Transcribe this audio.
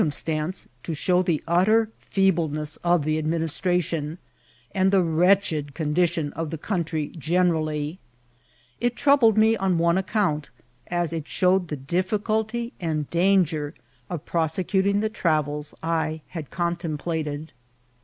cmnstanoe to show the utter feebieness of the admui istration, and the wretched condition of the eoentry generally. It troubled me on one account, as it showed the difficulty and danger of prosecuting the trareb I had contemplated.